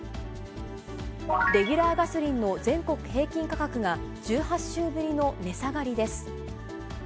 レギュラーガソリンの全国平均価格が１８週ぶりの値下がりです。